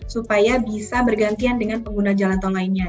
supaya bisa bergantian dengan pengguna jalan tol lainnya